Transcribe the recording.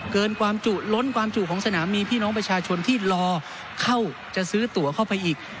เกินความจุล้นความจุของสนามมีพี่น้องประชาชนที่รอเข้าจะซื้อตัวเข้าไปอีก